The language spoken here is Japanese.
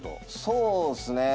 そうっすね。